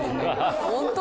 本当？